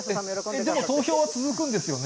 でも投票は続くんですね。